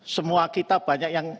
semua kita banyak yang